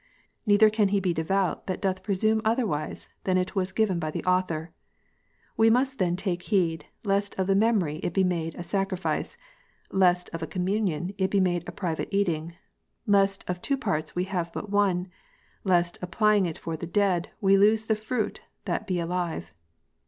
Neither can he be devout that doth presume otherwise than it was given by the Author. We ^must then take heed, lest of the memory it be made a sacrifice, lest of a communion it be made a private eating ; lest of two parts we have but one ; lest, applying it for the dead, we lose the fruit that be alive."